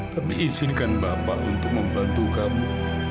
kami izinkan bapak untuk membantu kamu